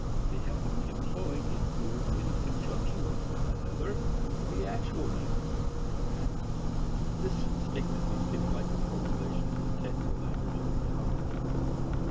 They have to be employed in coordinated conjunction with one another to be actual means, or habits. This statement may seem like the formulation in technical language of a common place.